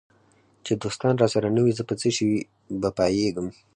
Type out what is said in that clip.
چي دوستان راسره نه وي زه په څشي به پایېږم